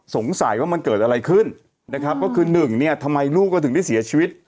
ทีเนี้ยทางของแม่กับพ่อเนี่ย